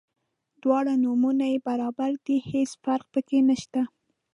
دواړه نومونه یې برابر دي هیڅ فرق په کې نشته.